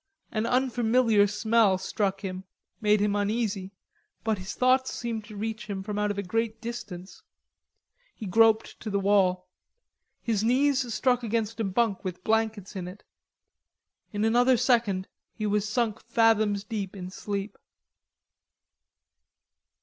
An unfamiliar smell struck him, made him uneasy; but his thoughts seemed to reach him from out of a great distance. He groped to the wall. His knees struck against a bunk with blankets in it. In another second he was sunk fathoms deep in sleep.